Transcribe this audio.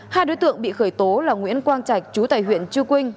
hai đối tượng bị khởi tố là nguyễn quang trạch chú tại huyện chư quynh